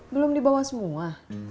belum dibawa semua